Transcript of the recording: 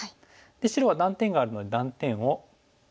白は断点があるので断点を守りました。